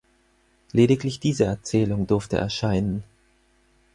Lediglich diese Erzählung durfte erscheinen.